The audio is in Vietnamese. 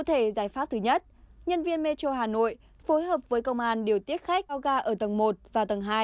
thể giải pháp thứ nhất nhân viên metro hà nội phối hợp với công an điều tiết khách vào ga ở tầng một và tầng hai